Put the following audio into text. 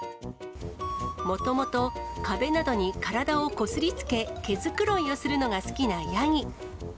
もともと、壁などに体をこすりつけ、毛繕いをするのが好きなヤギ。